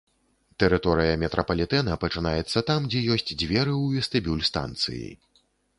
Тэрыторыя метрапалітэна пачынаецца там, дзе ёсць дзверы ў вестыбюль станцыі.